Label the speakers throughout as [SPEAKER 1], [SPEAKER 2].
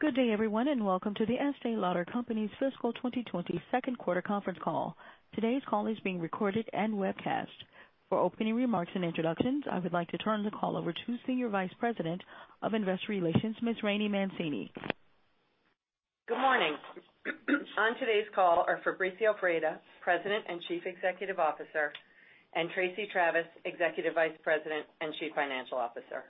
[SPEAKER 1] Good day, everyone, and welcome to The Estée Lauder Companies' Fiscal 2020 second quarter conference call. Today's call is being recorded and webcast. For opening remarks and introductions, I would like to turn the call over to Senior Vice President of Investor Relations, Ms. Rainey Mancini.
[SPEAKER 2] Good morning. On today's call are Fabrizio Freda, President and Chief Executive Officer, and Tracey Travis, Executive Vice President and Chief Financial Officer.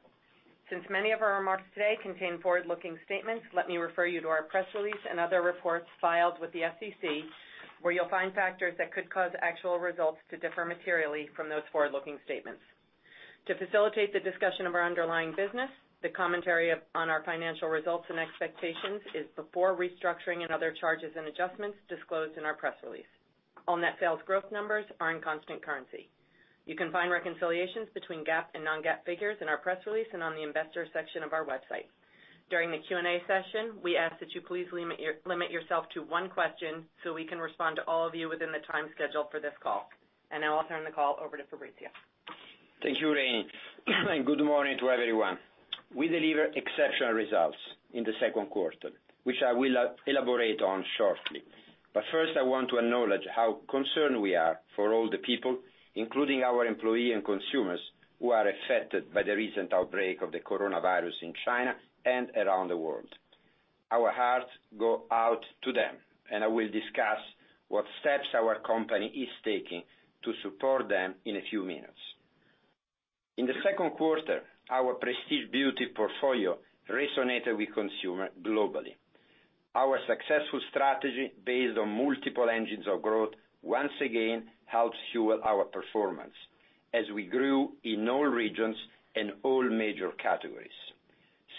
[SPEAKER 2] Since many of our remarks today contain forward-looking statements, let me refer you to our press release and other reports filed with the SEC, where you'll find factors that could cause actual results to differ materially from those forward-looking statements. To facilitate the discussion of our underlying business, the commentary on our financial results and expectations is before restructuring and other charges and adjustments disclosed in our press release. All net sales growth numbers are in constant currency. You can find reconciliations between GAAP and non-GAAP figures in our press release and on the investors section of our website. During the Q&A session, we ask that you please limit yourself to one question so we can respond to all of you within the time scheduled for this call. Now I'll turn the call over to Fabrizio.
[SPEAKER 3] Thank you, Rainey. Good morning to everyone. We delivered exceptional results in the second quarter, which I will elaborate on shortly. First, I want to acknowledge how concerned we are for all the people, including our employee and consumers, who are affected by the recent outbreak of the coronavirus in China and around the world. Our hearts go out to them, and I will discuss what steps our company is taking to support them in a few minutes. In the second quarter, our prestige beauty portfolio resonated with consumer globally. Our successful strategy, based on multiple engines of growth, once again helped fuel our performance as we grew in all regions and all major categories.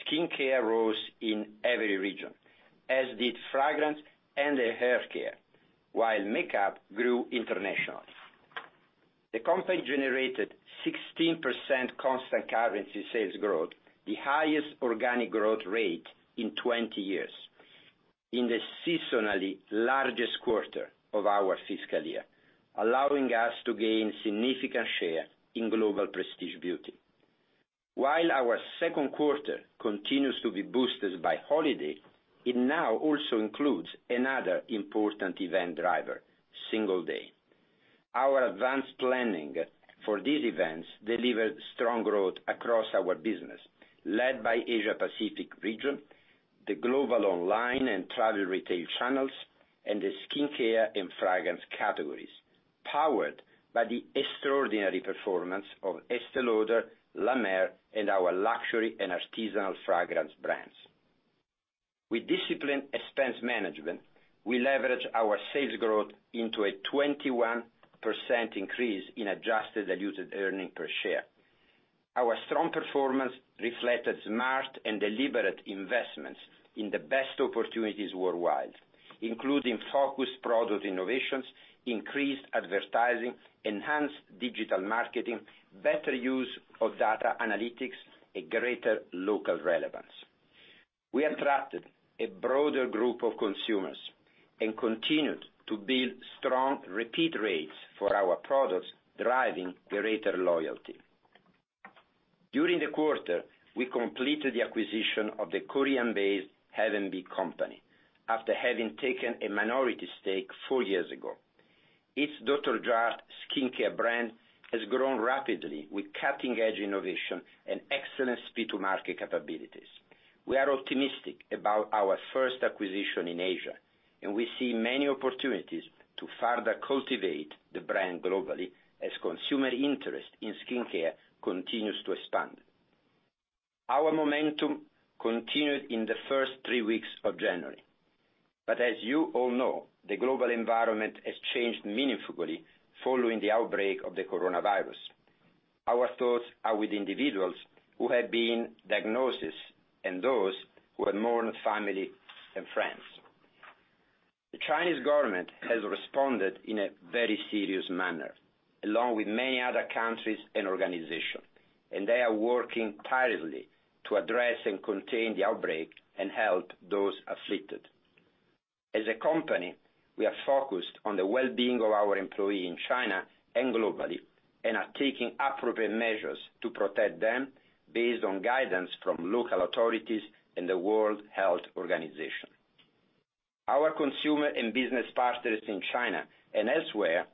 [SPEAKER 3] Skincare rose in every region, as did fragrance and the haircare, while makeup grew internationally. The company generated 16% constant currency sales growth, the highest organic growth rate in 20 years, in the seasonally largest quarter of our fiscal year, allowing us to gain significant share in global prestige beauty. While our second quarter continues to be boosted by holiday, it now also includes another important event driver, Single's Day. Our advanced planning for these events delivered strong growth across our business, led by Asia Pacific region, the global online and travel retail channels, and the skincare and fragrance categories, powered by the extraordinary performance of Estée Lauder, La Mer, and our luxury and artisanal fragrance brands. With disciplined expense management, we leverage our sales growth into a 21% increase in adjusted diluted earnings per share. Our strong performance reflected smart and deliberate investments in the best opportunities worldwide, including focused product innovations, increased advertising, enhanced digital marketing, better use of data analytics, a greater local relevance. We attracted a broader group of consumers and continued to build strong repeat rates for our products, driving greater loyalty. During the quarter, we completed the acquisition of the Korean-based Have & Be company after having taken a minority stake four years ago. Its Dr. Jart+ skincare brand has grown rapidly with cutting-edge innovation and excellent speed-to-market capabilities. We are optimistic about our first acquisition in Asia, and we see many opportunities to further cultivate the brand globally as consumer interest in skincare continues to expand. Our momentum continued in the first three weeks of January, but as you all know, the global environment has changed meaningfully following the outbreak of the coronavirus. Our thoughts are with individuals who have been diagnosed and those who have mourned family and friends. The Chinese government has responded in a very serious manner, along with many other countries and organizations, and they are working tirelessly to address and contain the outbreak and help those afflicted. As a company, we are focused on the well-being of our employee in China and globally and are taking appropriate measures to protect them based on guidance from local authorities and the World Health Organization. Our consumer and business partners in China and elsewhere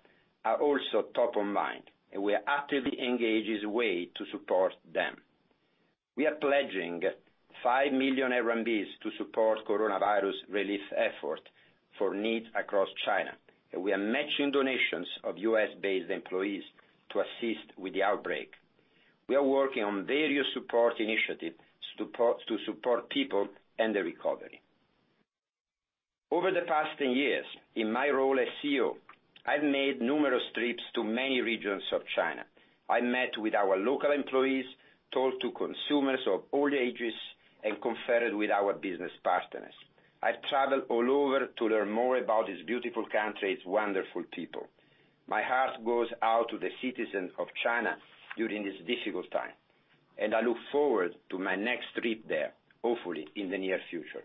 [SPEAKER 3] are also top of mind, and we are actively engaged as a way to support them. We are pledging 5 million RMB to support coronavirus relief effort for needs across China, and we are matching donations of U.S.-based employees to assist with the outbreak. We are working on various support initiatives to support people and the recovery. Over the past 10 years, in my role as CEO, I've made numerous trips to many regions of China. I met with our local employees, talked to consumers of all ages, and conferred with our business partners. I've traveled all over to learn more about this beautiful country, its wonderful people. My heart goes out to the citizens of China during this difficult time, and I look forward to my next trip there, hopefully in the near future.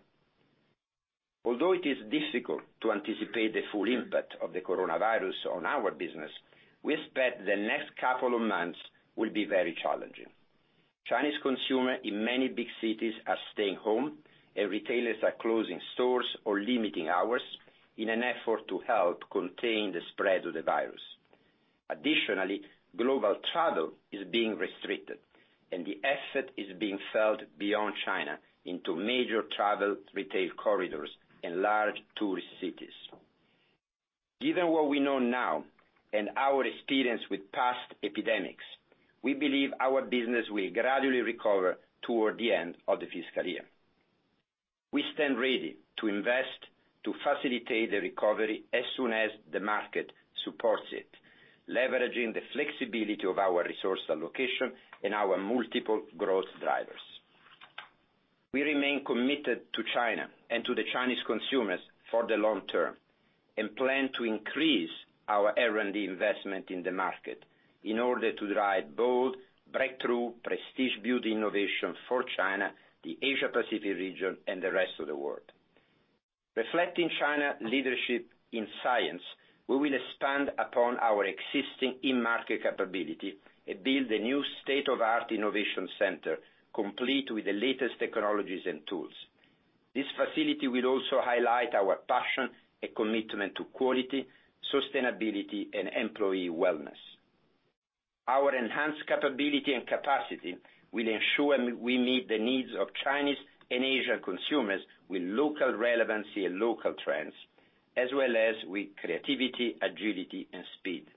[SPEAKER 3] Although it is difficult to anticipate the full impact of the coronavirus on our business, we expect the next couple of months will be very challenging. Chinese consumer in many big cities are staying home, and retailers are closing stores or limiting hours in an effort to help contain the spread of the virus. Additionally, global travel is being restricted, and the effect is being felt beyond China into major travel retail corridors and large tourist cities. Given what we know now and our experience with past epidemics, we believe our business will gradually recover toward the end of the fiscal year. We stand ready to invest to facilitate the recovery as soon as the market supports it, leveraging the flexibility of our resource allocation and our multiple growth drivers. We remain committed to China and to the Chinese consumers for the long term, and plan to increase our R&D investment in the market in order to drive bold, breakthrough, prestige beauty innovation for China, the Asia Pacific region, and the rest of the world. Reflecting China leadership in science, we will expand upon our existing in-market capability and build a new state-of-the-art innovation center, complete with the latest technologies and tools. This facility will also highlight our passion and commitment to quality, sustainability, and employee wellness. Our enhanced capability and capacity will ensure we meet the needs of Chinese and Asia consumers with local relevancy and local trends, as well as with creativity, agility, and speed.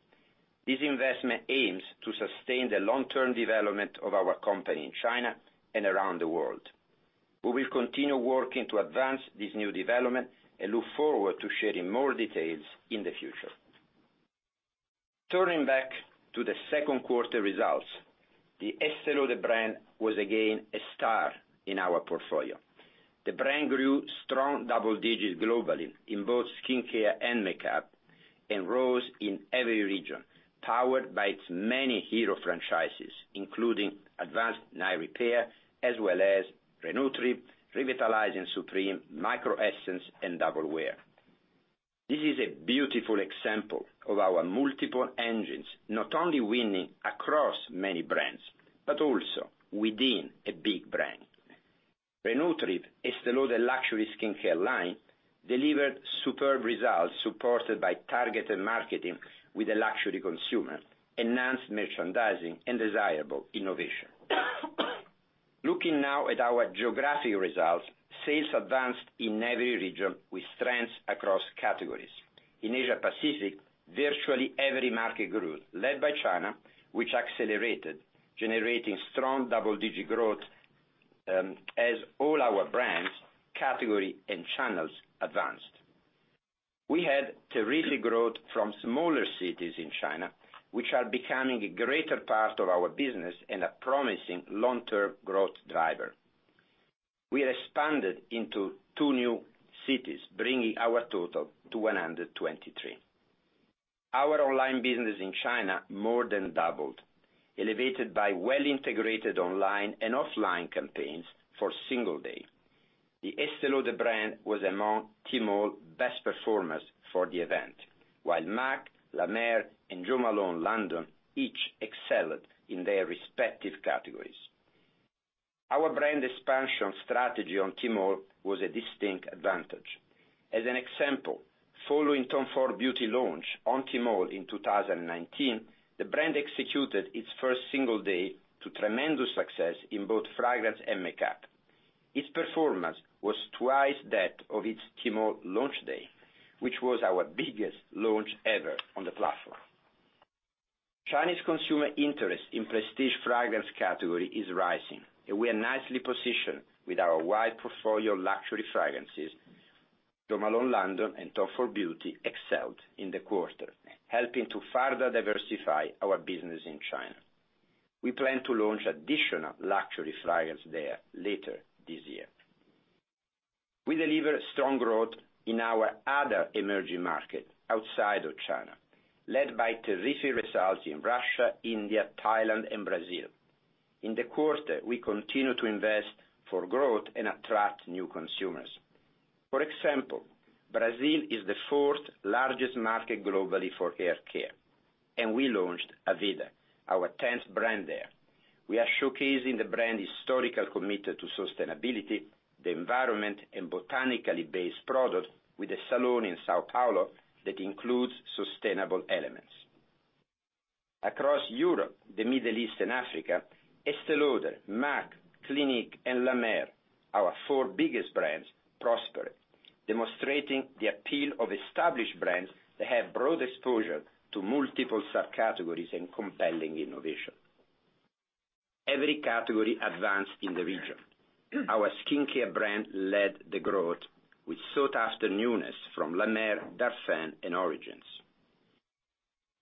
[SPEAKER 3] This investment aims to sustain the long-term development of our company in China and around the world. We will continue working to advance this new development and look forward to sharing more details in the future. Turning back to the second quarter results, the Estée Lauder brand was again a star in our portfolio. The brand grew strong double digits globally in both skincare and makeup, and rose in every region, powered by its many hero franchises, including Advanced Night Repair, as well as Re-Nutriv, Revitalizing Supreme, Micro Essence, and Double Wear. This is a beautiful example of our multiple engines, not only winning across many brands, but also within a big brand. Re-Nutriv, Estée Lauder luxury skincare line, delivered superb results supported by targeted marketing with a luxury consumer, enhanced merchandising, and desirable innovation. Looking now at our geographic results, sales advanced in every region with strengths across categories. In Asia Pacific, virtually every market grew, led by China, which accelerated, generating strong double-digit growth, as all our brands, category, and channels advanced. We had terrific growth from smaller cities in China, which are becoming a greater part of our business and a promising long-term growth driver. We expanded into two new cities, bringing our total to 123. Our online business in China more than doubled, elevated by well-integrated online and offline campaigns for Singles Day. The Estée Lauder brand was among Tmall best performers for the event, while MAC, La Mer, and Jo Malone London each excelled in their respective categories. Our brand expansion strategy on Tmall was a distinct advantage. As an example, following Tom Ford Beauty launch on Tmall in 2019, the brand executed its first Singles Day to tremendous success in both fragrance and makeup. Its performance was twice that of its Tmall launch day, which was our biggest launch ever on the platform. Chinese consumer interest in prestige fragrance category is rising, and we are nicely positioned with our wide portfolio of luxury fragrances. Jo Malone London and Tom Ford Beauty excelled in the quarter, helping to further diversify our business in China. We plan to launch additional luxury fragrance there later this year. We delivered strong growth in our other emerging market outside of China, led by terrific results in Russia, India, Thailand, and Brazil. In the quarter, we continued to invest for growth and attract new consumers. For example, Brazil is the fourth largest market globally for hair care, and we launched Aveda, our tenth brand there. We are showcasing the brand's historical commitment to sustainability, the environment, and botanically based product with a salon in São Paulo that includes sustainable elements. Across Europe, the Middle East, and Africa, Estée Lauder, MAC, Clinique, and La Mer, our four biggest brands, prospered, demonstrating the appeal of established brands that have broad exposure to multiple subcategories and compelling innovation. Every category advanced in the region. Our skincare brand led the growth with sought-after newness from La Mer, Darphin, and Origins.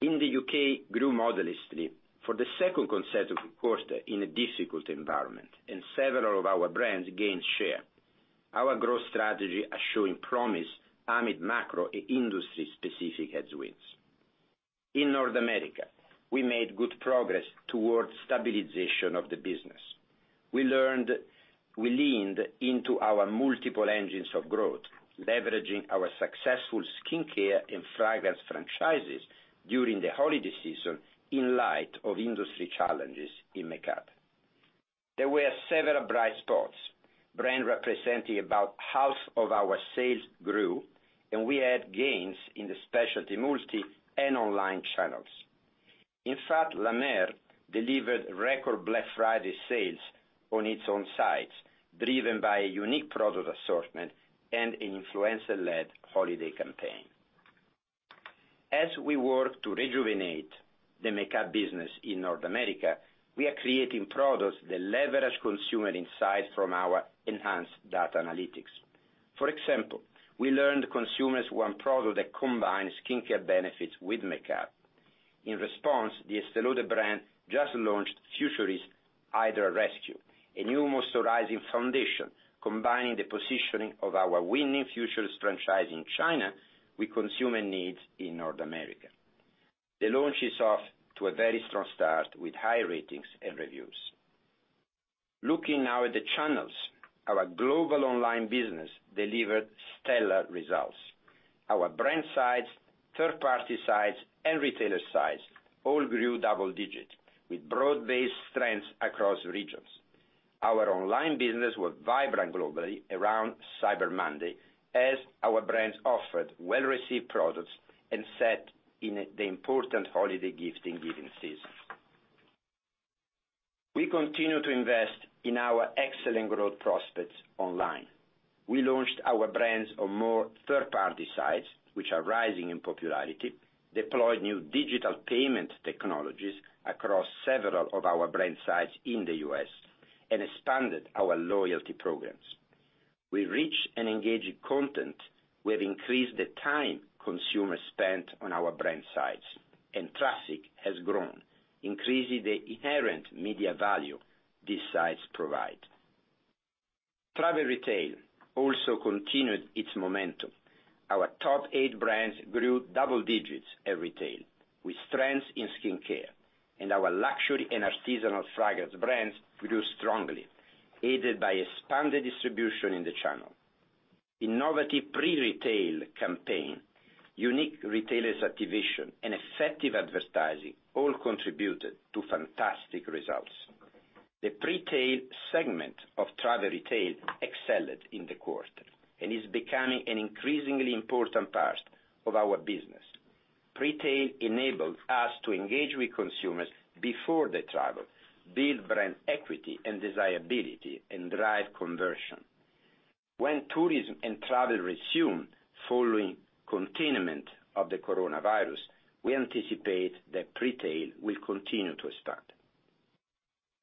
[SPEAKER 3] India, U.K. grew modestly for the second consecutive quarter in a difficult environment, and several of our brands gained share. Our growth strategy are showing promise amid macro and industry-specific headwinds. In North America, we made good progress towards stabilization of the business. We leaned into our multiple engines of growth, leveraging our successful skincare and fragrance franchises during the holiday season in light of industry challenges in makeup. There were several bright spots. Brand representing about half of our sales grew, and we had gains in the specialty multi and online channels. In fact, La Mer delivered record Black Friday sales on its own sites, driven by a unique product assortment and an influencer-led holiday campaign. As we work to rejuvenate the makeup business in North America, we are creating products that leverage consumer insights from our enhanced data analytics. For example, we learned consumers want products that combine skincare benefits with makeup. In response, the Estée Lauder brand just launched Futurist Hydra Rescue, a new moisturizing foundation, combining the positioning of our winning Futurist franchise in China with consumer needs in North America. The launch is off to a very strong start with high ratings and reviews. Looking now at the channels, our global online business delivered stellar results. Our brand sites, third-party sites, and retailer sites all grew double-digits, with broad-based strengths across regions. Our online business was vibrant globally around Cyber Monday as our brands offered well-received products and set in the important holiday gift-giving season. We continue to invest in our excellent growth prospects online. We launched our brands on more third-party sites, which are rising in popularity, deployed new digital payment technologies across several of our brand sites in the U.S., and expanded our loyalty programs. With rich and engaging content, we have increased the time consumers spend on our brand sites, and traffic has grown, increasing the inherent media value these sites provide. Travel retail also continued its momentum. Our top eight brands grew double-digits at retail with strengths in skincare, and our luxury and artisanal fragrance brands grew strongly, aided by expanded distribution in the channel. Innovative pre-tail campaign, unique retailers activation, and effective advertising all contributed to fantastic results. The pre-tail segment of travel retail excelled in the quarter and is becoming an increasingly important part of our business. Pre-tail enables us to engage with consumers before they travel, build brand equity and desirability, and drive conversion. When tourism and travel resume following containment of the coronavirus, we anticipate that pre-tail will continue to expand.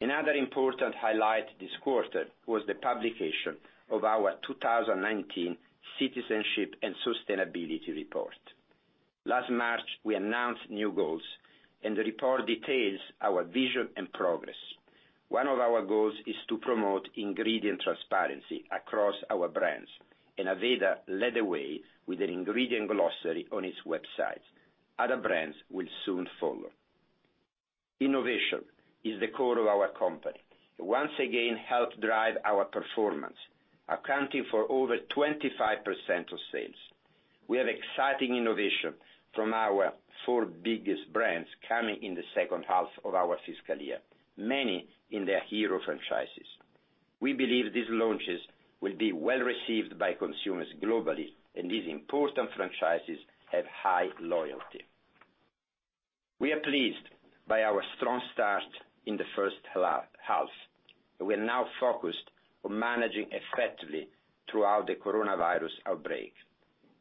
[SPEAKER 3] Another important highlight this quarter was the publication of our 2019 Citizenship and Sustainability Report. Last March, we announced new goals, and the report details our vision and progress. One of our goals is to promote ingredient transparency across our brands, and Aveda led the way with an ingredient glossary on its website. Other brands will soon follow. Innovation is the core of our company. It once again helped drive our performance, accounting for over 25% of sales. We have exciting innovation from our four biggest brands coming in the second half of our fiscal year, many in their hero franchises. We believe these launches will be well-received by consumers globally, and these important franchises have high loyalty. We are pleased by our strong start in the first half. We are now focused on managing effectively throughout the coronavirus outbreak.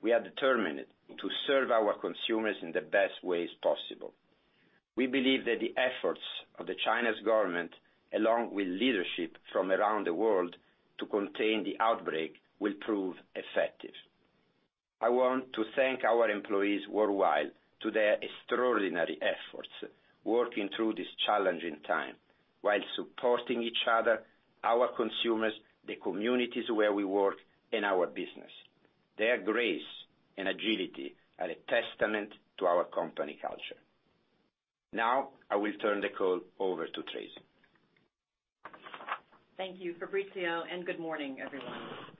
[SPEAKER 3] We are determined to serve our consumers in the best ways possible. We believe that the efforts of the Chinese government, along with leadership from around the world to contain the outbreak, will prove effective. I want to thank our employees worldwide to their extraordinary efforts working through this challenging time while supporting each other, our consumers, the communities where we work, and our business. Their grace and agility are a testament to our company culture. I will turn the call over to Tracey.
[SPEAKER 4] Thank you, Fabrizio. Good morning, everyone.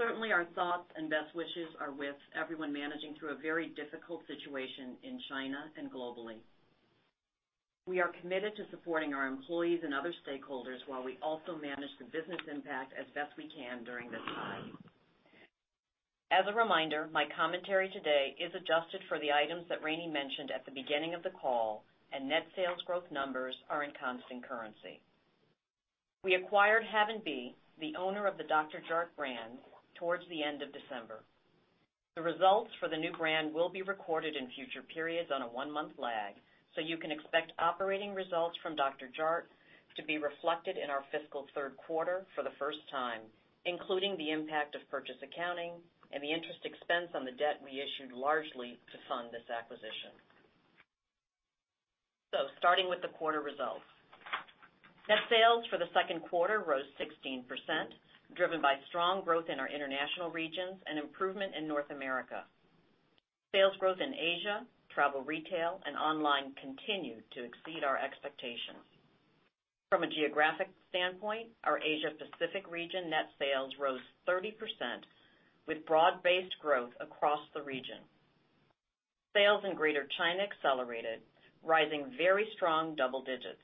[SPEAKER 4] Certainly, our thoughts and best wishes are with everyone managing through a very difficult situation in China and globally. We are committed to supporting our employees and other stakeholders while we also manage the business impact as best we can during this time. As a reminder, my commentary today is adjusted for the items that Rainey mentioned at the beginning of the call, and net sales growth numbers are in constant currency. We acquired Have & Be, the owner of the Dr. Jart+ brand, towards the end of December. The results for the new brand will be recorded in future periods on a one-month lag, you can expect operating results from Dr. Jart+ to be reflected in our fiscal third quarter for the first time, including the impact of purchase accounting and the interest expense on the debt we issued largely to fund this acquisition. Starting with the quarter results. Net sales for the second quarter rose 16%, driven by strong growth in our international regions and improvement in North America. Sales growth in Asia, travel retail, and online continued to exceed our expectations. From a geographic standpoint, our Asia Pacific region net sales rose 30% with broad-based growth across the region. Sales in Greater China accelerated, rising very strong double-digits.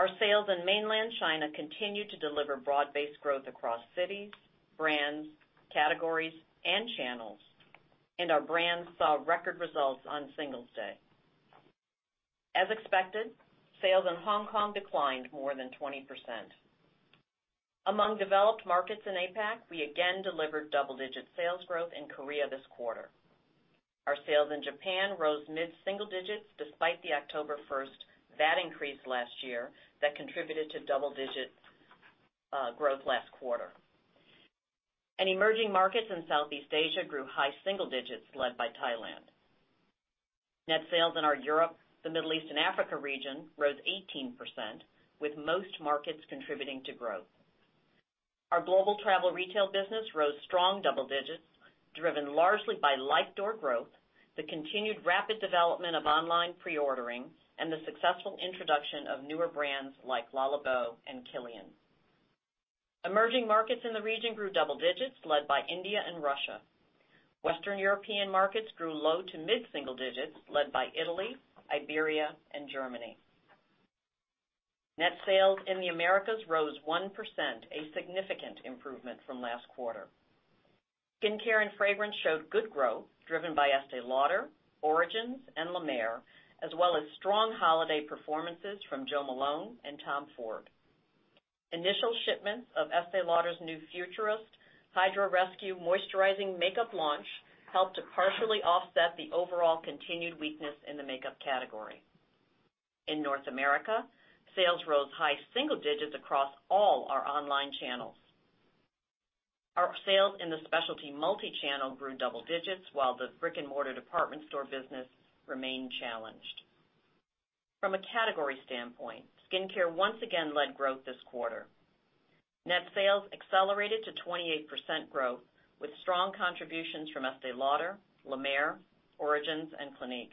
[SPEAKER 4] Our sales in Mainland China continued to deliver broad-based growth across cities, brands, categories, and channels, and our brands saw record results on Singles' Day. As expected, sales in Hong Kong declined more than 20%. Among developed markets in APAC, we again delivered double-digit sales growth in Korea this quarter. Our sales in Japan rose mid-single-digits despite the October 1st VAT increase last year that contributed to double-digit growth last quarter. Emerging markets in Southeast Asia grew high-single-digits led by Thailand. Net sales in our Europe, the Middle East, and Africa region rose 18%, with most markets contributing to growth. Our global travel retail business rose strong double digits, driven largely by light door growth, the continued rapid development of online pre-ordering, and the successful introduction of newer brands like Le Labo and Kilian. Emerging markets in the region grew double digits, led by India and Russia. Western European markets grew low to mid single digits, led by Italy, Iberia, and Germany. Net sales in the Americas rose 1%, a significant improvement from last quarter. Skincare and fragrance showed good growth, driven by Estée Lauder, Origins, and La Mer, as well as strong holiday performances from Jo Malone and Tom Ford. Initial shipments of Estée Lauder's new Futurist Hydra Rescue Moisturizing Foundation launch helped to partially offset the overall continued weakness in the makeup category. In North America, sales rose high single digits across all our online channels. Our sales in the specialty multi-channel grew double digits, while the brick-and-mortar department store business remained challenged. From a category standpoint, skincare once again led growth this quarter. Net sales accelerated to 28% growth, with strong contributions from Estée Lauder, La Mer, Origins, and Clinique.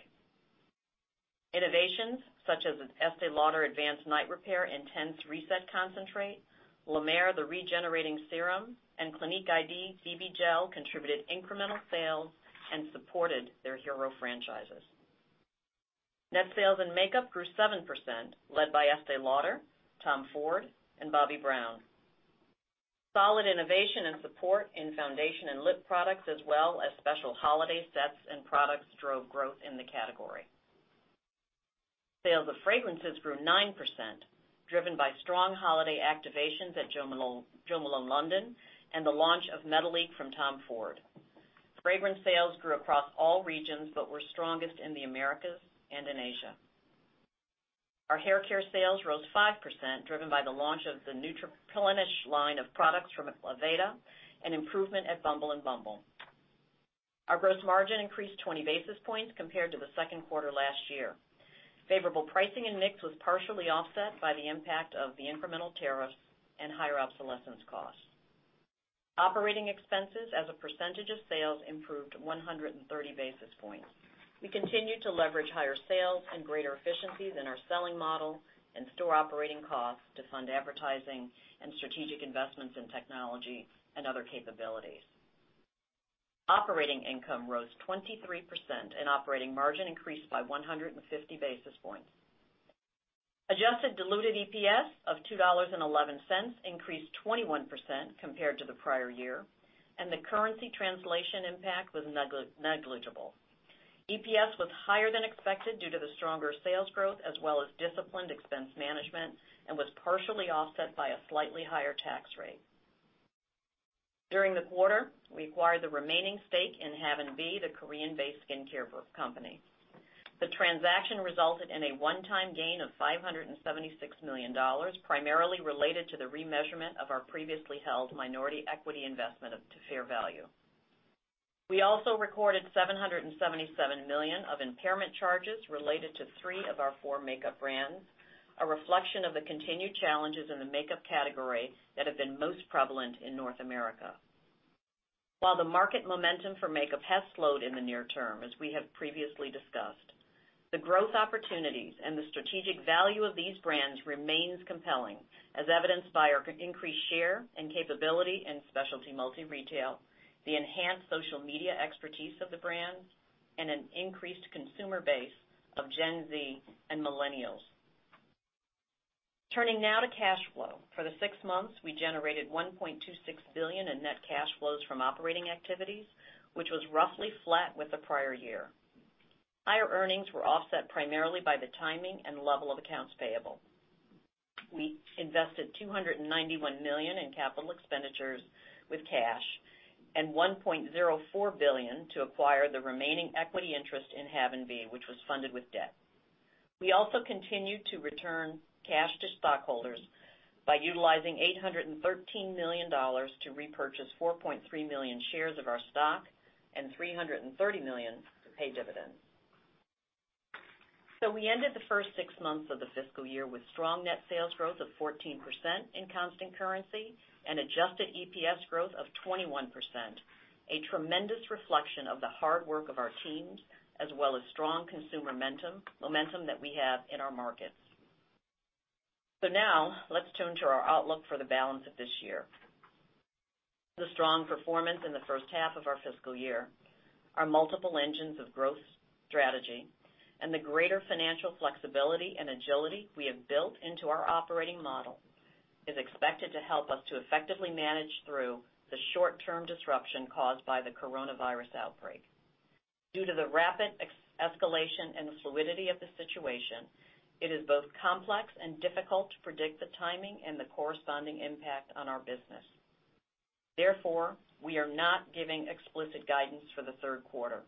[SPEAKER 4] Innovations such as Estée Lauder Advanced Night Repair Intense Reset Concentrate, La Mer The Regenerating Serum, and Clinique iD BB-Gel contributed incremental sales and supported their hero franchises. Net sales in makeup grew 7%, led by Estée Lauder, Tom Ford, and Bobbi Brown. Solid innovation and support in foundation and lip products, as well as special holiday sets and products, drove growth in the category. Sales of fragrances grew 9%, driven by strong holiday activations at Jo Malone London and the launch of Métallique from Tom Ford. Fragrance sales grew across all regions but were strongest in the Americas and in Asia. Our haircare sales rose 5%, driven by the launch of the Nutriplenish line of products from Aveda and improvement at Bumble & Bumble. Our gross margin increased 20 basis points compared to the second quarter last year. Favorable pricing and mix was partially offset by the impact of the incremental tariffs and higher obsolescence costs. Operating expenses as a percentage of sales improved 130 basis points. We continued to leverage higher sales and greater efficiencies in our selling model and store operating costs to fund advertising and strategic investments in technology and other capabilities. Operating income rose 23%, and operating margin increased by 150 basis points. Adjusted diluted EPS of $2.11 increased 21% compared to the prior year, and the currency translation impact was negligible. EPS was higher than expected due to the stronger sales growth as well as disciplined expense management and was partially offset by a slightly higher tax rate. During the quarter, we acquired the remaining stake in Have & Be, the Korean-based skincare company. The transaction resulted in a one-time gain of $576 million, primarily related to the remeasurement of our previously held minority equity investment to fair value. We also recorded $777 million of impairment charges related to three of our four makeup brands, a reflection of the continued challenges in the makeup category that have been most prevalent in North America. While the market momentum for makeup has slowed in the near term, as we have previously discussed, the growth opportunities and the strategic value of these brands remains compelling, as evidenced by our increased share and capability in specialty multi-retail, the enhanced social media expertise of the brands, and an increased consumer base of Gen Z and millennials. Turning now to cash flow. For the six months, we generated $1.26 billion in net cash flows from operating activities, which was roughly flat with the prior year. Higher earnings were offset primarily by the timing and level of accounts payable. We invested $291 million in capital expenditures with cash and $1.04 billion to acquire the remaining equity interest in Have & Be, which was funded with debt. We also continued to return cash to stockholders by utilizing $813 million to repurchase 4.3 million shares of our stock and $330 million to pay dividends. We ended the first six months of the fiscal year with strong net sales growth of 14% in constant currency and adjusted EPS growth of 21%, a tremendous reflection of the hard work of our teams, as well as strong consumer momentum that we have in our markets. Now let's turn to our outlook for the balance of this year. The strong performance in the first half of our fiscal year, our multiple engines of growth strategy, and the greater financial flexibility and agility we have built into our operating model is expected to help us to effectively manage through the short-term disruption caused by the coronavirus outbreak. Due to the rapid escalation and the fluidity of the situation, it is both complex and difficult to predict the timing and the corresponding impact on our business. Therefore, we are not giving explicit guidance for the third quarter.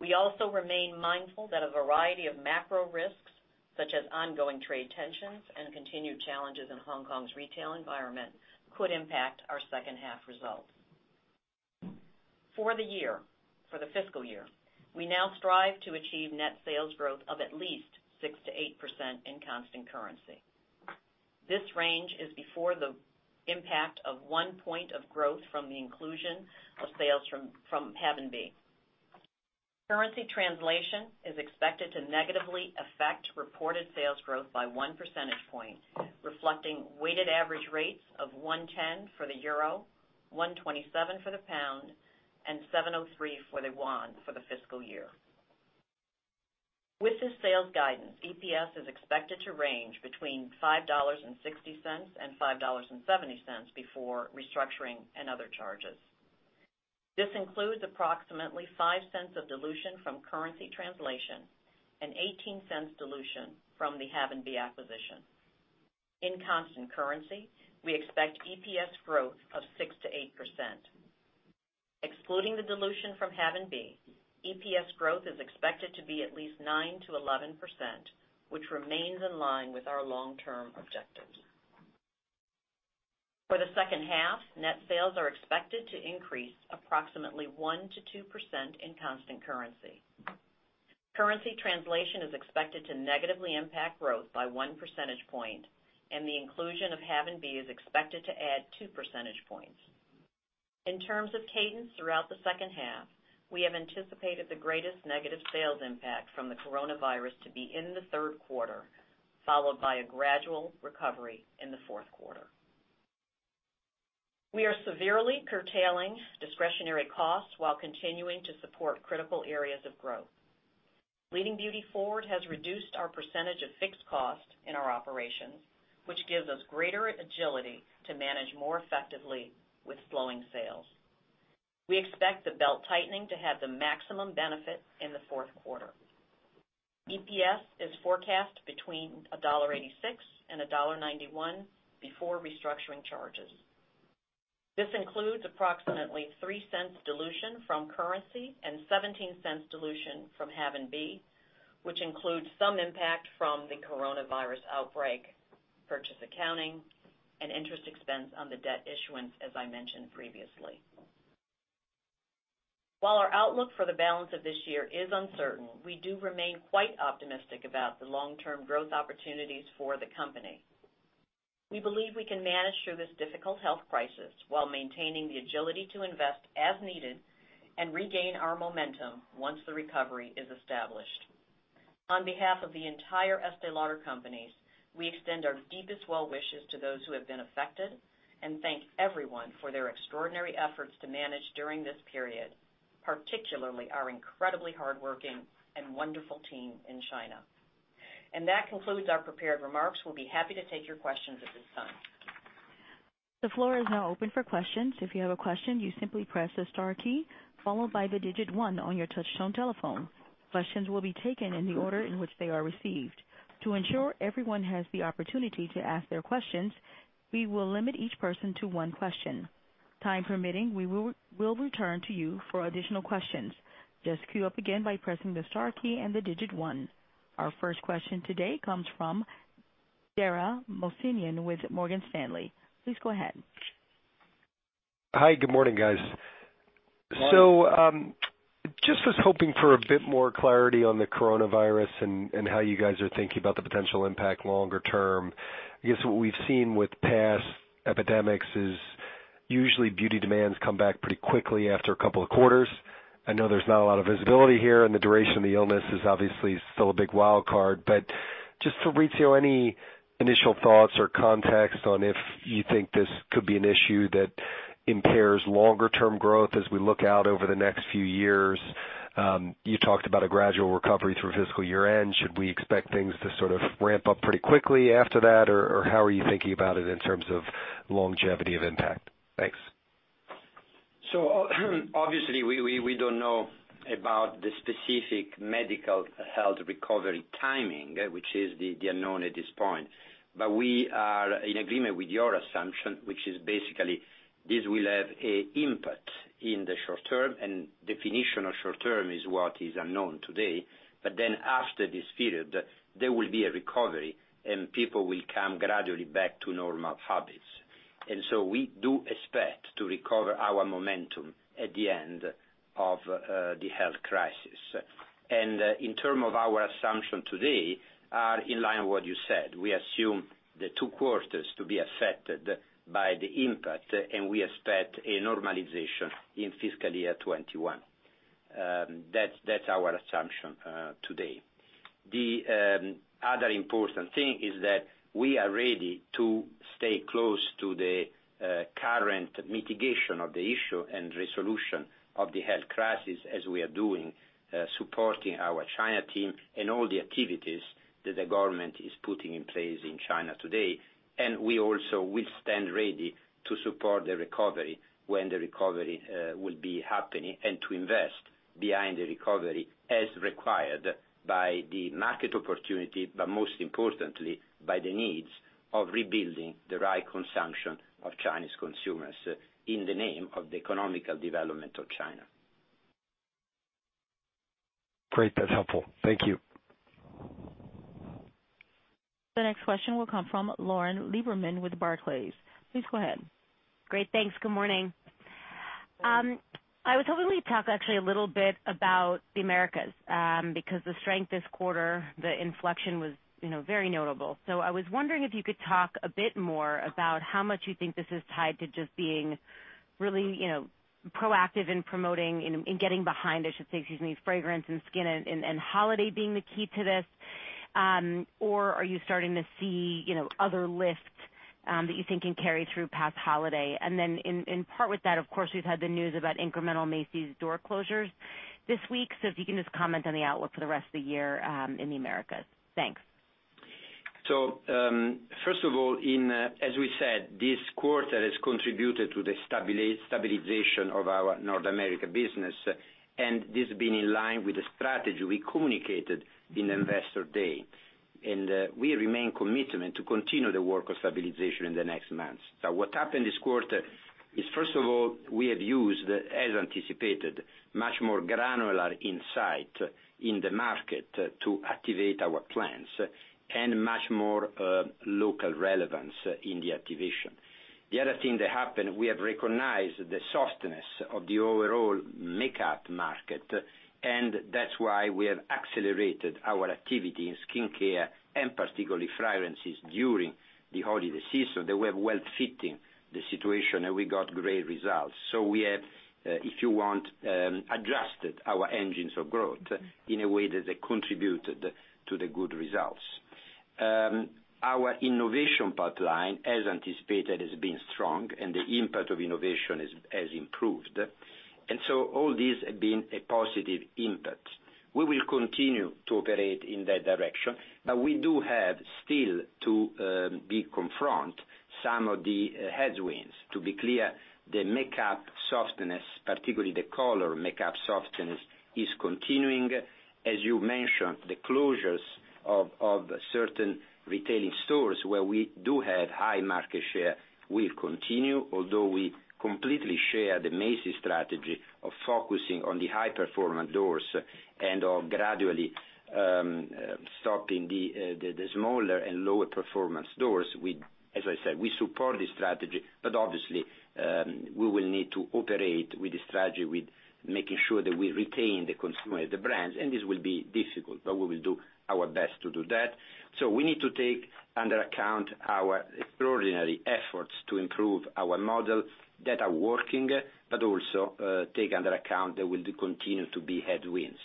[SPEAKER 4] We also remain mindful that a variety of macro risks, such as ongoing trade tensions and continued challenges in Hong Kong's retail environment, could impact our second half results. For the fiscal year, we now strive to achieve net sales growth of at least 6%-8% in constant currency. This range is before the impact of one point of growth from the inclusion of sales from Have & Be. Currency translation is expected to negatively affect reported sales growth by one percentage point, reflecting weighted average rates of 110, GBP 127, and CNY 703 for the fiscal year. With this sales guidance, EPS is expected to range between $5.60 and $5.70 before restructuring and other charges. This includes approximately $0.05 of dilution from currency translation and $0.18 dilution from the Have & Be acquisition. In constant currency, we expect EPS growth of 6%-8%. Excluding the dilution from Have & Be, EPS growth is expected to be at least 9%-11%, which remains in line with our long-term objectives. For the second half, net sales are expected to increase approximately 1%-2% in constant currency. Currency translation is expected to negatively impact growth by 1 percentage point, and the inclusion of Have & Be is expected to add 2 percentage points. In terms of cadence throughout the second half, we have anticipated the greatest negative sales impact from the coronavirus to be in the third quarter, followed by a gradual recovery in the fourth quarter. We are severely curtailing discretionary costs while continuing to support critical areas of growth. Leading Beauty Forward has reduced our percentage of fixed costs in our operations, which gives us greater agility to manage more effectively with slowing sales. We expect the belt-tightening to have the maximum benefit in the fourth quarter. EPS is forecast between $1.86 and $1.91 before restructuring charges. This includes approximately $0.03 dilution from currency and $0.17 dilution from Have & Be, which includes some impact from the coronavirus outbreak, purchase accounting, and interest expense on the debt issuance, as I mentioned previously. While our outlook for the balance of this year is uncertain, we do remain quite optimistic about the long-term growth opportunities for the company. We believe we can manage through this difficult health crisis while maintaining the agility to invest as needed and regain our momentum once the recovery is established. On behalf of the entire The Estée Lauder Companies, we extend our deepest well wishes to those who have been affected and thank everyone for their extraordinary efforts to manage during this period, particularly our incredibly hardworking and wonderful team in China. That concludes our prepared remarks. We'll be happy to take your questions at this time.
[SPEAKER 1] The floor is now open for questions. If you have a question, you simply press the star key, followed by the digit one on your touch tone telephone. Questions will be taken in the order in which they are received. To ensure everyone has the opportunity to ask their questions, we will limit each person to one question. Time permitting, we will return to you for additional questions. Just queue up again by pressing the star key and the digit one. Our first question today comes from Dara Mohsenian with Morgan Stanley. Please go ahead.
[SPEAKER 5] Hi. Good morning, guys.
[SPEAKER 4] Morning.
[SPEAKER 5] Just was hoping for a bit more clarity on the coronavirus and how you guys are thinking about the potential impact longer term. What we've seen with past epidemics is usually beauty demands come back pretty quickly after a couple of quarters. I know there's not a lot of visibility here, and the duration of the illness is obviously still a big wild card. Just, Fabrizio, any initial thoughts or context on if you think this could be an issue that impairs longer-term growth as we look out over the next few years? You talked about a gradual recovery through fiscal year-end. Should we expect things to sort of ramp up pretty quickly after that, or how are you thinking about it in terms of longevity of impact? Thanks.
[SPEAKER 3] Obviously, we don't know about the specific medical health recovery timing, which is the unknown at this point. We are in agreement with your assumption, which is basically this will have an impact in the short term, and definition of short term is what is unknown today. After this period, there will be a recovery, and people will come gradually back to normal habits. We do expect to recover our momentum at the end of the health crisis. In term of our assumption today, are in line with what you said. We assume the two quarters to be affected by the impact, and we expect a normalization in fiscal year 2021. That's our assumption today. The other important thing is that we are ready to stay close to the current mitigation of the issue and resolution of the health crisis as we are doing, supporting our China team and all the activities that the government is putting in place in China today. We also will stand ready to support the recovery when the recovery will be happening and to invest behind the recovery as required by the market opportunity, but most importantly, by the needs of rebuilding the right consumption of Chinese consumers in the name of the economical development of China.
[SPEAKER 5] Great. That's helpful. Thank you.
[SPEAKER 1] The next question will come from Lauren Lieberman with Barclays. Please go ahead.
[SPEAKER 6] Great. Thanks. Good morning. I was hoping you'd talk actually a little bit about the Americas, because the strength this quarter, the inflection was very notable. I was wondering if you could talk a bit more about how much you think this is tied to just being really proactive in promoting, in getting behind, I should say, excuse me, fragrance and skin and holiday being the key to this. Are you starting to see other lifts that you think can carry through past holiday? In part with that, of course, we've had the news about incremental Macy's door closures this week, so if you can just comment on the outlook for the rest of the year in the Americas. Thanks.
[SPEAKER 3] First of all, as we said, this quarter has contributed to the stabilization of our North America business, and this has been in line with the strategy we communicated in Investor Day. We remain committed to continue the work of stabilization in the next months. What happened this quarter is, first of all, we have used, as anticipated, much more granular insight in the market to activate our plans and much more local relevance in the activation. The other thing that happened. We have recognized the softness of the overall makeup market, and that's why we have accelerated our activity in skincare and particularly fragrances during the holiday season that were well fitting the situation, and we got great results. We have, if you want, adjusted our engines of growth in a way that they contributed to the good results. Our innovation pipeline, as anticipated, has been strong and the impact of innovation has improved. All this has been a positive impact. We will continue to operate in that direction, but we do have still to confront some of the headwinds. To be clear, the makeup softness, particularly the color makeup softness, is continuing. As you mentioned, the closures of certain retailing stores where we do have high market share will continue, although we completely share the Macy's strategy of focusing on the high performing doors and of gradually stopping the smaller and lower performance doors. As I said, we support this strategy, but obviously, we will need to operate with the strategy with making sure that we retain the consumer of the brands, and this will be difficult, but we will do our best to do that. We need to take into account our extraordinary efforts to improve our model that are working, but also take into account there will continue to be headwinds.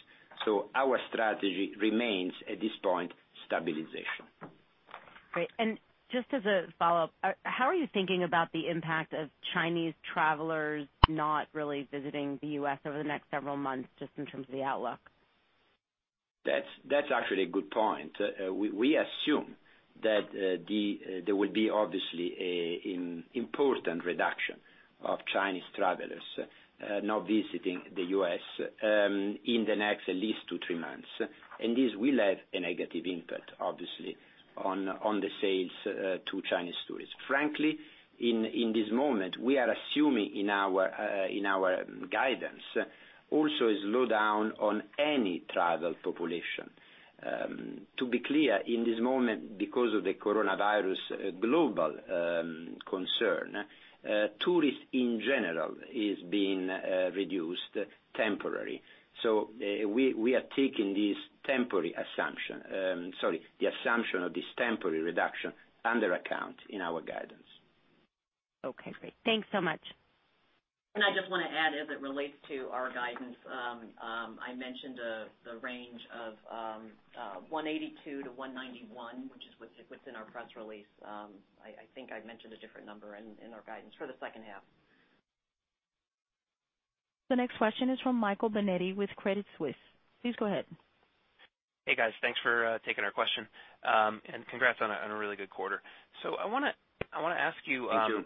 [SPEAKER 3] Our strategy remains, at this point, stabilization.
[SPEAKER 6] Great. Just as a follow-up, how are you thinking about the impact of Chinese travelers not really visiting the U.S. over the next several months, just in terms of the outlook?
[SPEAKER 3] That's actually a good point. We assume that there will be obviously an important reduction of Chinese travelers not visiting the U.S., in the next at least two, three months. This will have a negative impact, obviously, on the sales to Chinese tourists. Frankly, in this moment, we are assuming in our guidance also a slowdown on any travel population. To be clear, in this moment, because of the coronavirus global concern, tourist in general is being reduced temporary. We are taking this temporary assumption. Sorry, the assumption of this temporary reduction into account in our guidance.
[SPEAKER 6] Okay, great. Thanks so much.
[SPEAKER 4] I just want to add, as it relates to our guidance, I mentioned the range of $182-$191, which is within our press release. I think I mentioned a different number in our guidance for the second half.
[SPEAKER 1] The next question is from Michael Binetti with Credit Suisse. Please go ahead.
[SPEAKER 7] Hey, guys. Thanks for taking our question. Congrats on a really good quarter. I want to ask you-
[SPEAKER 3] Thank you.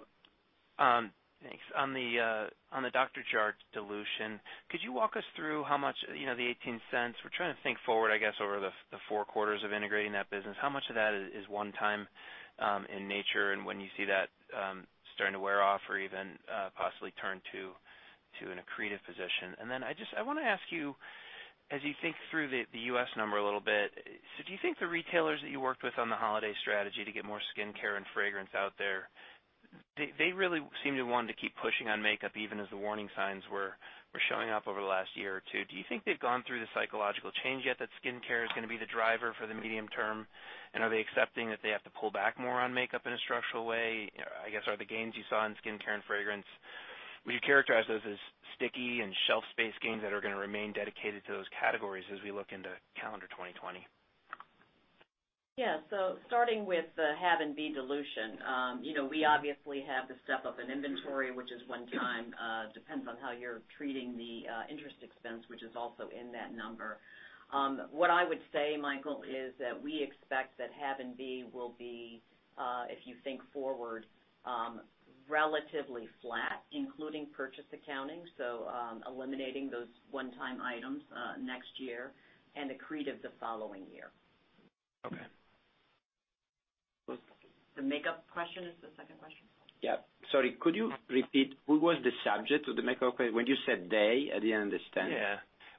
[SPEAKER 7] Thanks. On the Dr. Jart+ dilution, could you walk us through how much, the $0.18, we're trying to think forward, I guess, over the four quarters of integrating that business. How much of that is one time in nature and when you see that starting to wear off or even possibly turn to an accretive position? I want to ask you. As you think through the U.S. number a little bit, do you think the retailers that you worked with on the holiday strategy to get more skincare and fragrance out there, they really seem to want to keep pushing on makeup even as the warning signs were showing up over the last year or two. Do you think they've gone through the psychological change yet that skincare is going to be the driver for the medium term? Are they accepting that they have to pull back more on makeup in a structural way? I guess, are the gains you saw in skincare and fragrance, would you characterize those as sticky and shelf space gains that are going to remain dedicated to those categories as we look into calendar 2020?
[SPEAKER 4] Yeah. Starting with the Have & Be dilution. We obviously have the step up in inventory, which is one time, depends on how you're treating the interest expense, which is also in that number. What I would say, Michael, is that we expect that Have & Be will be, if you think forward, relatively flat, including purchase accounting, so eliminating those one-time items next year, and accretive the following year.
[SPEAKER 7] Okay.
[SPEAKER 4] The makeup question is the second question?
[SPEAKER 3] Yeah. Sorry. Could you repeat who was the subject of the makeup? When you said they, I didn't understand.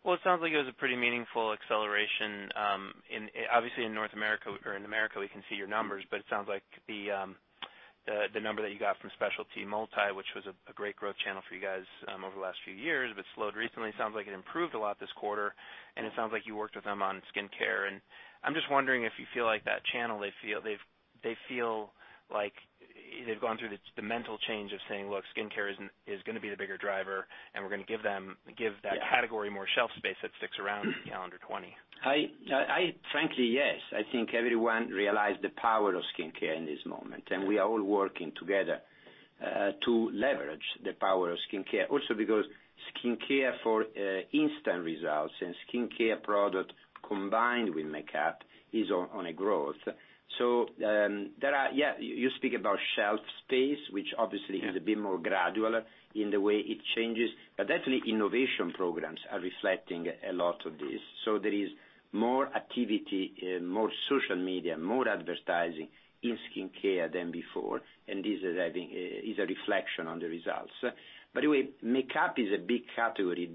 [SPEAKER 7] Well, it sounds like it was a pretty meaningful acceleration, obviously in North America or in America, we can see your numbers, but it sounds like the number that you got from specialty multi, which was a great growth channel for you guys over the last few years, but slowed recently. It sounds like it improved a lot this quarter, and it sounds like you worked with them on skincare. I'm just wondering if you feel like that channel, they feel like they've gone through the mental change of saying, Look, skincare is going to be the bigger driver, and we're going to give that category more shelf space that sticks around in calendar 2020.
[SPEAKER 3] Frankly, yes. I think everyone realized the power of skincare in this moment. We are all working together to leverage the power of skincare. Because skincare for instant results and skincare product combined with makeup is on a growth. You speak about shelf space, which obviously has been more gradual in the way it changes. Definitely innovation programs are reflecting a lot of this. There is more activity, more social media, more advertising in skincare than before. This is a reflection on the results. By the way, makeup is a big category.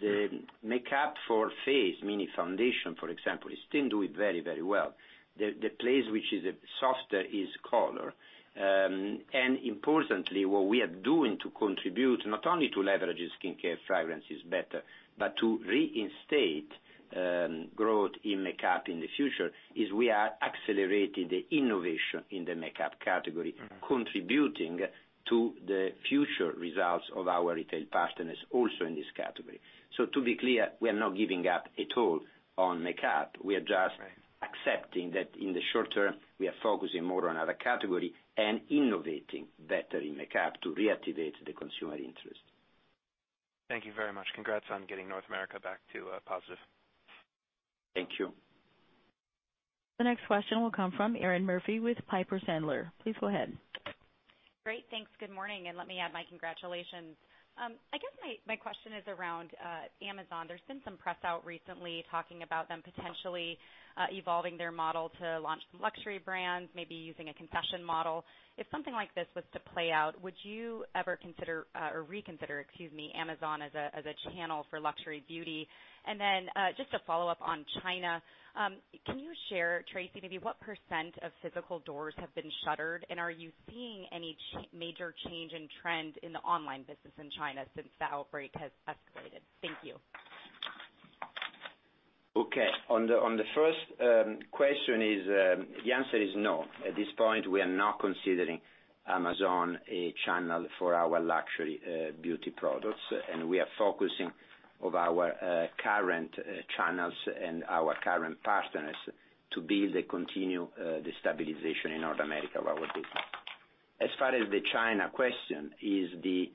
[SPEAKER 3] The makeup for face, meaning foundation, for example, is still doing very well. The place which is softer is color. Importantly, what we are doing to contribute not only to leverage skincare fragrances better, but to reinstate growth in makeup in the future, is we are accelerating the innovation in the makeup category, contributing to the future results of our retail partners also in this category. To be clear, we are not giving up at all on makeup.
[SPEAKER 7] Right
[SPEAKER 3] accepting that in the short term, we are focusing more on other category and innovating better in makeup to reactivate the consumer interest.
[SPEAKER 7] Thank you very much. Congrats on getting North America back to positive.
[SPEAKER 3] Thank you.
[SPEAKER 1] The next question will come from Erinn Murphy with Piper Sandler. Please go ahead.
[SPEAKER 8] Great. Thanks. Good morning, and let me add my congratulations. I guess my question is around Amazon. There's been some press out recently talking about them potentially evolving their model to launch some luxury brands, maybe using a concession model. If something like this was to play out, would you ever consider or reconsider, excuse me, Amazon as a channel for luxury beauty? Then, just a follow-up on China. Can you share, Tracey, maybe what % of physical doors have been shuttered? Are you seeing any major change in trend in the online business in China since the outbreak has escalated? Thank you.
[SPEAKER 3] Okay. On the first question, the answer is no. At this point, we are not considering Amazon a channel for our luxury beauty products, and we are focusing on our current channels and our current partners to build and continue the stabilization in North America of our business. As far as the China question is the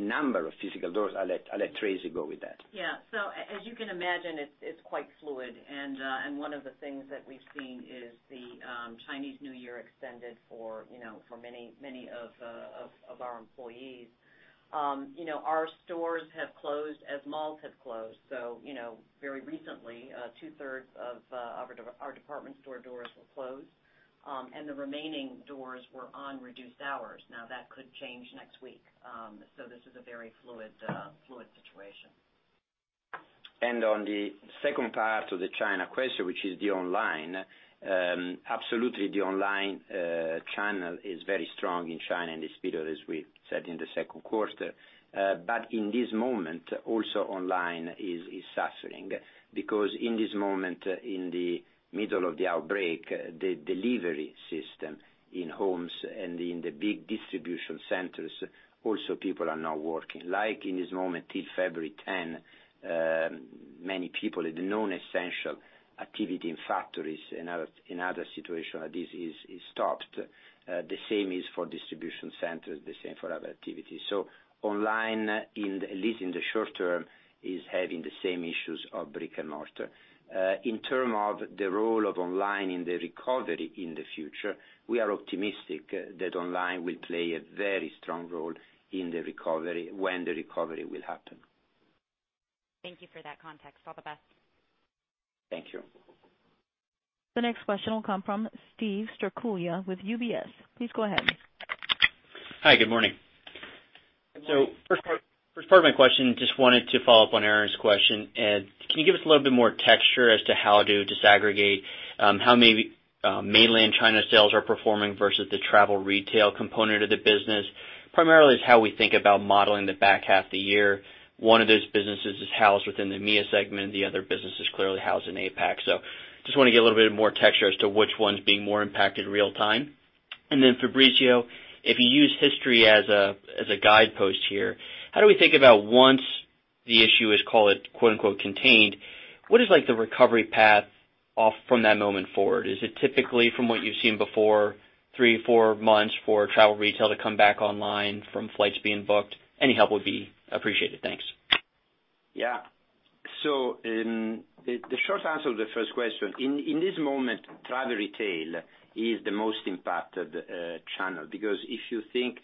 [SPEAKER 3] number of physical doors, I'll let Tracey go with that.
[SPEAKER 4] Yeah. As you can imagine, it's quite fluid, and one of the things that we've seen is the Chinese New Year extended for many of our employees. Our stores have closed as malls have closed. Very recently, two-thirds of our department store doors were closed, and the remaining doors were on reduced hours. Now, that could change next week. This is a very fluid situation.
[SPEAKER 3] On the second part of the China question, which is the online, absolutely, the online channel is very strong in China in this period, as we said in the second quarter. In this moment, also online is suffering because in this moment, in the middle of the outbreak, the delivery system in homes and in the big distribution centers, also people are not working. Like in this moment till February 10, many people in the non-essential activity in factories, in other situation this is stopped. The same is for distribution centers, the same for other activities. Online, at least in the short term, is having the same issues of brick and mortar. In terms of the role of online in the recovery in the future, we are optimistic that online will play a very strong role in the recovery when the recovery will happen.
[SPEAKER 8] Thank you for that context. All the best.
[SPEAKER 3] Thank you.
[SPEAKER 1] The next question will come from Steven Strycula with UBS. Please go ahead.
[SPEAKER 9] Hi, good morning. First part of my question, just wanted to follow up on Erinn's question. Can you give us a little bit more texture as to how to disaggregate how maybe Mainland China sales are performing versus the travel retail component of the business? Primarily, it's how we think about modeling the back half of the year. One of those businesses is housed within the EMEA segment. The other business is clearly housed in APAC. Just want to get a little bit more texture as to which one's being more impacted real time. Fabrizio, if you use history as a guidepost here, how do we think about once the issue is, call it, "contained," what is the recovery path from that moment forward? Is it typically, from what you've seen before, three, four months for travel retail to come back online from flights being booked? Any help would be appreciated. Thanks.
[SPEAKER 3] Yeah. The short answer to the first question, in this moment, travel retail is the most impacted channel, because if you think,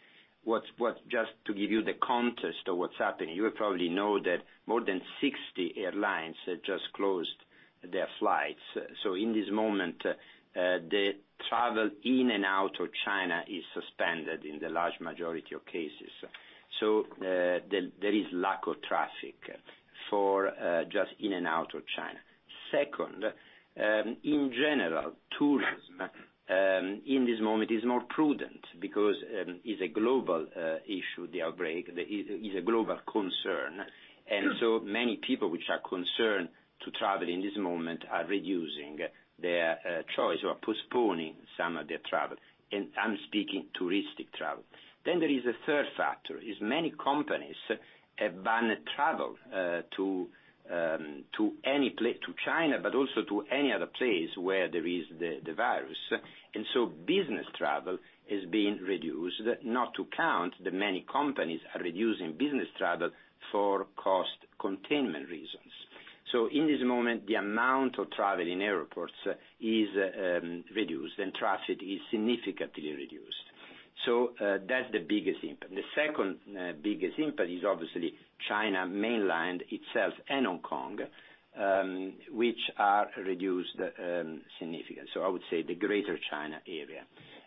[SPEAKER 3] just to give you the context of what's happening, you probably know that more than 60 airlines have just closed their flights. In this moment, the travel in and out of China is suspended in the large majority of cases. There is lack of traffic for just in and out of China. Second, in general, tourism in this moment is more prudent because it's a global issue, the outbreak. It's a global concern. Many people which are concerned to travel in this moment are reducing their choice or postponing some of their travel. I'm speaking touristic travel. There is a third factor, is many companies have banned travel to China, but also to any other place where there is the virus. Business travel is being reduced, not to count the many companies are reducing business travel for cost containment reasons. In this moment, the amount of travel in airports is reduced, and traffic is significantly reduced. That's the biggest impact. The second biggest impact is obviously China mainland itself and Hong Kong, which are reduced significant. I would say the Greater China area.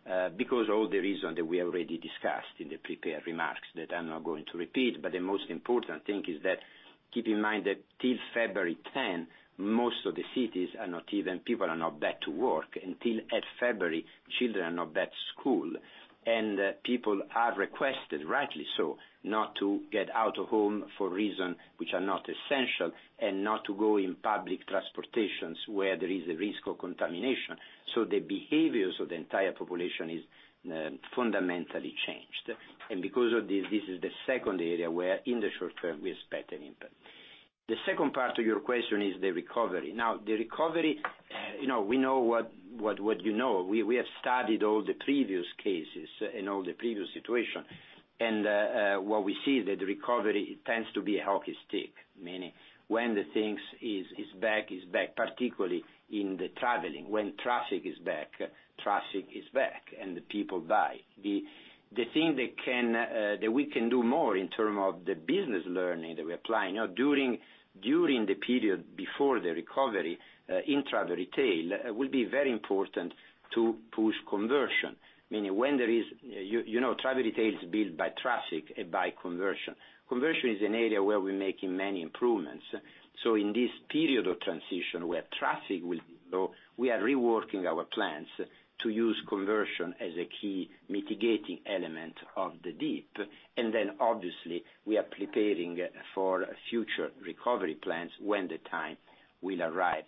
[SPEAKER 3] All the reason that we already discussed in the prepared remarks that I'm not going to repeat, but the most important thing is that keep in mind that till February 10, most of the cities, people are not back to work, until February, children are not back to school. People are requested, rightly so, not to get out of home for reason which are not essential and not to go in public transportations where there is a risk of contamination. The behaviors of the entire population is fundamentally changed. Because of this is the second area where in the short term, we expect an impact. The second part to your question is the recovery. The recovery, we know what you know. We have studied all the previous cases and all the previous situation. What we see that the recovery tends to be a hockey stick, meaning when the things is back, it's back, particularly in the traveling. When traffic is back, traffic is back, and the people buy. The thing that we can do more in term of the business learning that we apply now during the period before the recovery in travel retail will be very important to push conversion, meaning travel retail is built by traffic and by conversion. Conversion is an area where we're making many improvements. In this period of transition where traffic will be low, we are reworking our plans to use conversion as a key mitigating element of the dip. Obviously, we are preparing for future recovery plans when the time will arrive.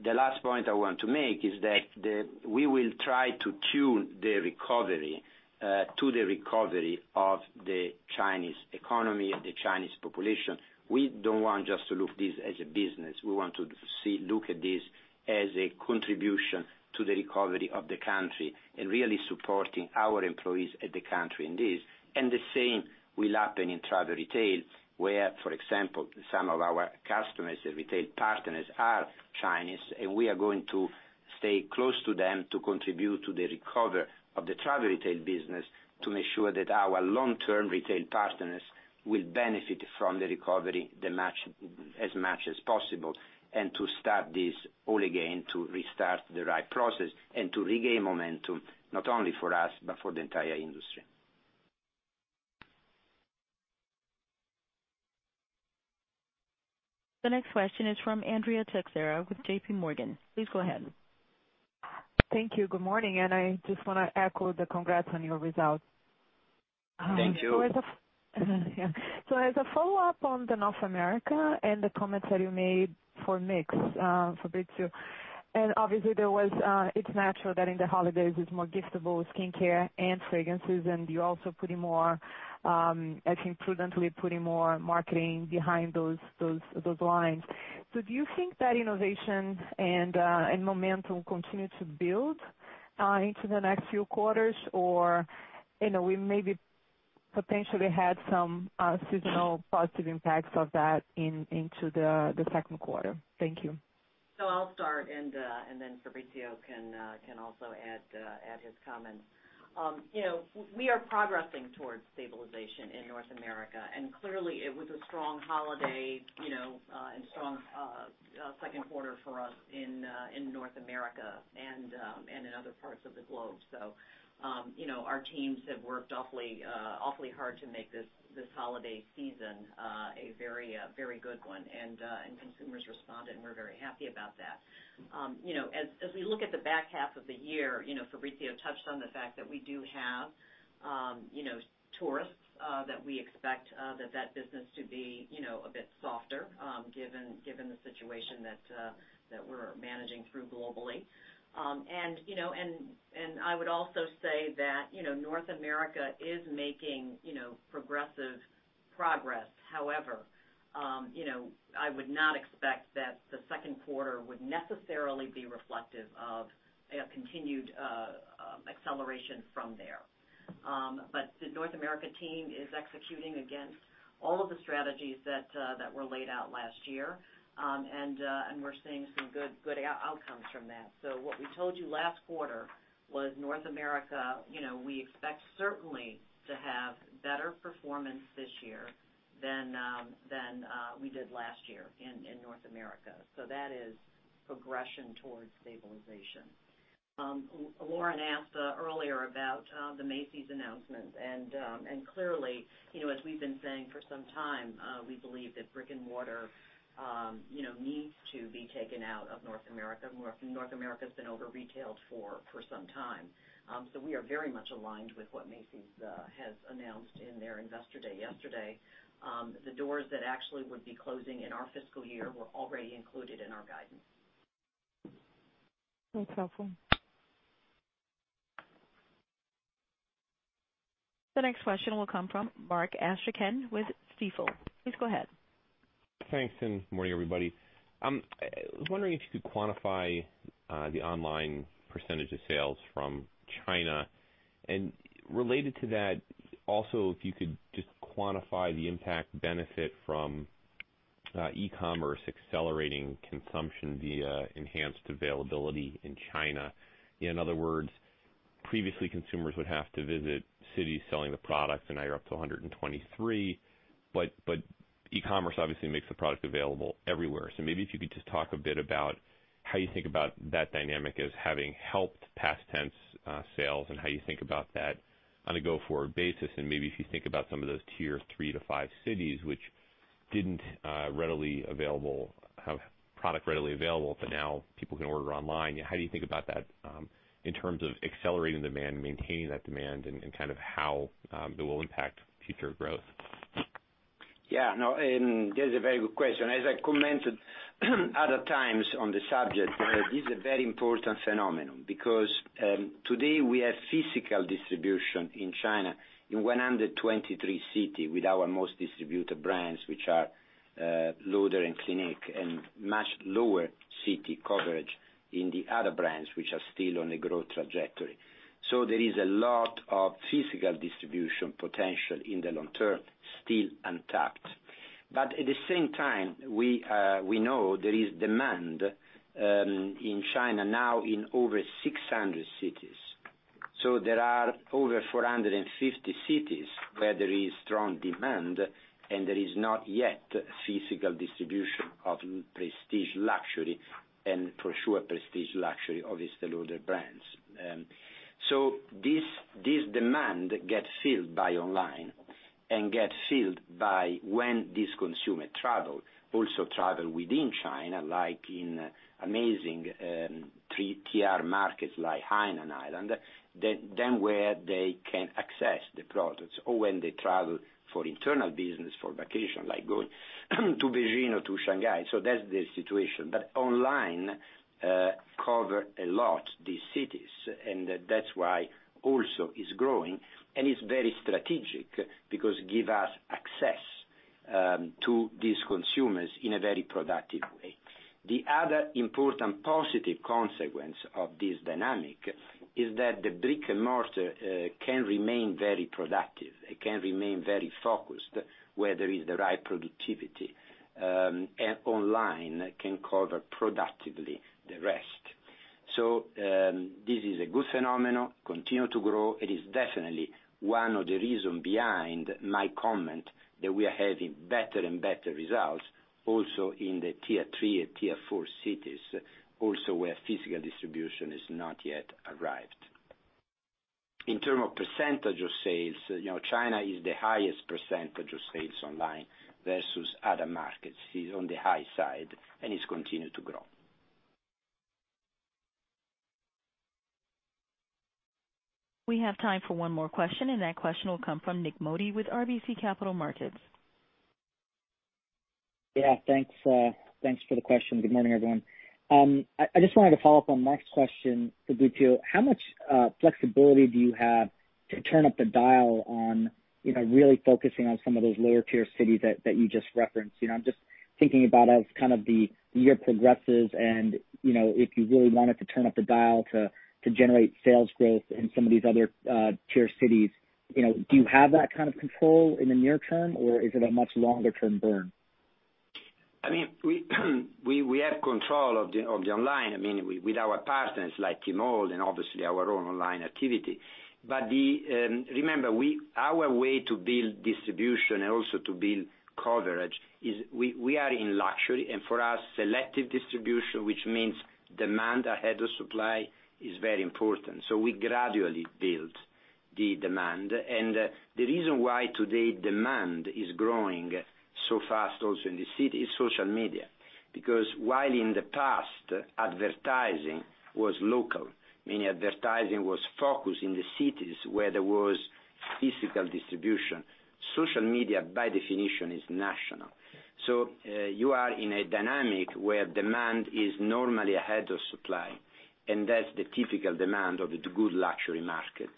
[SPEAKER 3] The last point I want to make is that we will try to tune the recovery to the recovery of the Chinese economy, the Chinese population. We don't want just to look this as a business. We want to look at this as a contribution to the recovery of the country and really supporting our employees at the country in this. The same will happen in travel retail, where, for example, some of our customers and retail partners are Chinese, and we are going to stay close to them to contribute to the recovery of the travel retail business to make sure that our long-term retail partners will benefit from the recovery as much as possible, and to start this all again, to restart the right process and to regain momentum, not only for us, but for the entire industry.
[SPEAKER 1] The next question is from Andrea Teixeira with JPMorgan. Please go ahead.
[SPEAKER 10] Thank you. Good morning. I just want to echo the congrats on your results.
[SPEAKER 3] Thank you.
[SPEAKER 10] As a follow-up on the North America and the comments that you made for mix, Fabrizio, and obviously, it's natural that in the holidays, it's more giftable skincare and fragrances, and you're also, I think, prudently putting more marketing behind those lines. Do you think that innovation and momentum continue to build into the next few quarters? Or we maybe potentially had some seasonal positive impacts of that into the second quarter? Thank you.
[SPEAKER 4] I'll start, and then Fabrizio can also add his comments. We are progressing towards stabilization in North America, and clearly it was a strong holiday and strong second quarter for us in North America and in other parts of the globe. Our teams have worked awfully hard to make this holiday season a very good one and consumers responded, and we're very happy about that. As we look at the back half of the year, Fabrizio touched on the fact that we do have tourists, that we expect that business to be a bit softer given the situation that we're managing through globally. I would also say that North America is making progressive progress. However, I would not expect that the second quarter would necessarily be reflective of a continued acceleration from there. The North America team is executing against all of the strategies that were laid out last year. We're seeing some good outcomes from that. What we told you last quarter was North America, we expect certainly to have better performance this year than we did last year in North America. That is progression towards stabilization. Lauren asked earlier about the Macy's announcement and clearly, as we've been saying for some time, we believe that brick-and-mortar needs to be taken out of North America, North America has been over-retailed for some time. We are very much aligned with what Macy's has announced in their Investor Day yesterday. The doors that actually would be closing in our fiscal year were already included in our guidance.
[SPEAKER 10] That's helpful.
[SPEAKER 1] The next question will come from Mark Astrachan with Stifel. Please go ahead.
[SPEAKER 11] Thanks. Good morning, everybody. I was wondering if you could quantify the online percentage of sales from China, and related to that, also, if you could just quantify the impact benefit from e-commerce accelerating consumption via enhanced availability in China. In other words, previously, consumers would have to visit cities selling the product, and now you're up to 123. E-commerce obviously makes the product available everywhere. Maybe if you could just talk a bit about how you think about that dynamic as having helped past tense sales and how you think about that on a go-forward basis. Maybe if you think about some of those Tier 3-5 cities which didn't have product readily available, but now people can order online. How do you think about that in terms of accelerating demand, maintaining that demand, and kind of how it will impact future growth?
[SPEAKER 3] That is a very good question. As I commented other times on the subject, it is a very important phenomenon because today we have physical distribution in China in 123 cities with our most distributed brands, which are Lauder and Clinique, and much lower city coverage in the other brands, which are still on a growth trajectory. There is a lot of physical distribution potential in the long term, still untapped. At the same time, we know there is demand in China now in over 600 cities. There are over 450 cities where there is strong demand and there is not yet physical distribution of prestige luxury and for sure prestige luxury of Estée Lauder brands. This demand gets filled by online and gets filled by when these consumers travel, also travel within China, like in amazing tier markets like Hainan Island, then where they can access the products or when they travel for internal business, for vacation, like going to Beijing or to Shanghai. That's the situation. Online cover a lot these cities, and that's why also is growing and is very strategic because give us access to these consumers in a very productive way. The other important positive consequence of this dynamic is that the brick-and-mortar can remain very productive. It can remain very focused where there is the right productivity, and online can cover productively the rest. This is a good phenomenon, continue to grow. It is definitely one of the reason behind my comment that we are having better and better results also in the tier 3 and tier 4 cities, also where physical distribution has not yet arrived. In term of percentage of sales, China is the highest percentage of sales online versus other markets, is on the high side, and it's continued to grow.
[SPEAKER 1] We have time for one more question, and that question will come from Nik Modi with RBC Capital Markets.
[SPEAKER 12] Yeah, thanks for the question. Good morning, everyone. I just wanted to follow up on Mark's question, Fabrizio. How much flexibility do you have to turn up the dial on really focusing on some of those lower-tier cities that you just referenced? I'm just thinking about as kind of the year progresses and if you really wanted to turn up the dial to generate sales growth in some of these other tier cities, do you have that kind of control in the near term, or is it a much longer-term burn?
[SPEAKER 3] We have control of the online, with our partners like Tmall and obviously our own online activity. Remember, our way to build distribution and also to build coverage is we are in luxury, and for us, selective distribution, which means demand ahead of supply, is very important. We gradually build the demand. The reason why today demand is growing so fast also in the city is social media. While in the past, advertising was local, meaning advertising was focused in the cities where there was physical distribution, social media, by definition, is national. You are in a dynamic where demand is normally ahead of supply, and that's the typical demand of the good luxury market.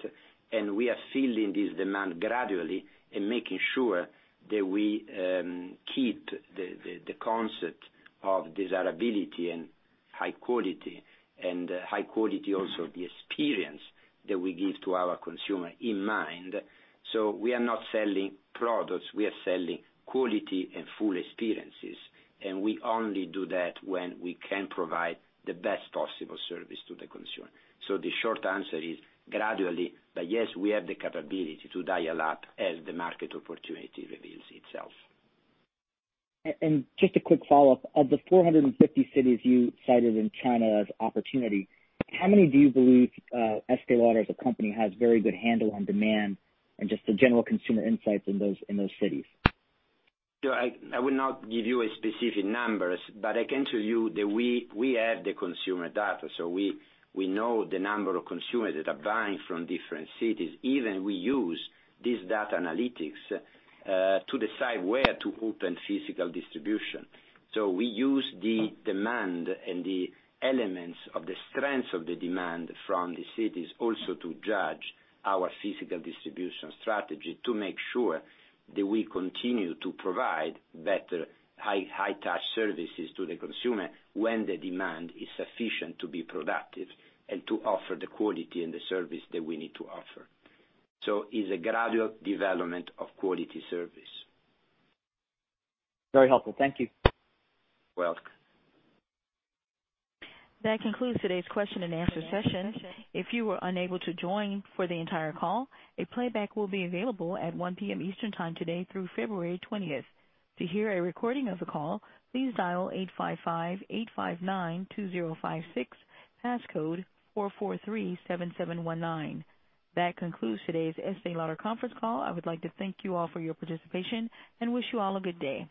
[SPEAKER 3] We are filling this demand gradually and making sure that we keep the concept of desirability and high quality, and high quality also the experience that we give to our consumer in mind. We are not selling products, we are selling quality and full experiences, and we only do that when we can provide the best possible service to the consumer. The short answer is gradually, but yes, we have the capability to dial up as the market opportunity reveals itself.
[SPEAKER 12] Just a quick follow-up. Of the 450 cities you cited in China as opportunity, how many do you believe Estée Lauder as a company has very good handle on demand and just the general consumer insights in those cities?
[SPEAKER 3] I will not give you specific numbers, but I can tell you that we have the consumer data, we know the number of consumers that are buying from different cities. Even we use these data analytics to decide where to open physical distribution. We use the demand and the elements of the strength of the demand from the cities also to judge our physical distribution strategy, to make sure that we continue to provide better high-touch services to the consumer when the demand is sufficient to be productive and to offer the quality and the service that we need to offer. It's a gradual development of quality service.
[SPEAKER 12] Very helpful. Thank you.
[SPEAKER 3] Welcome.
[SPEAKER 1] That concludes today's question and answer session. If you were unable to join for the entire call, a playback will be available at 1:00 P.M. Eastern Time today through February 20th. To hear a recording of the call, please dial 855-859-2056, passcode 4437719. That concludes today's Estée Lauder conference call. I would like to thank you all for your participation and wish you all a good day.